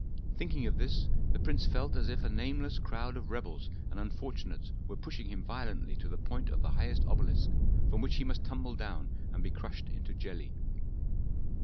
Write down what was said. Thinking of this, the prince felt as if a nameless crowd of rebels and unfortunates were pushing him violently to the point of the highest obelisk, from which he must tumble down and be crushed into jelly.